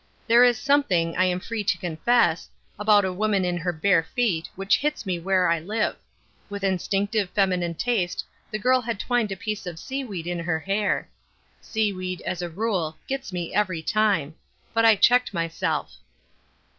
There is something, I am free to confess, about a woman in her bare feet which hits me where I live. With instinctive feminine taste the girl had twined a piece of seaweed in her hair. Seaweed, as a rule, gets me every time. But I checked myself.